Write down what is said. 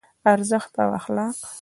ارزښت او اخلاق